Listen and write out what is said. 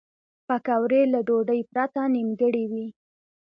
پکورې له ډوډۍ پرته نیمګړې وي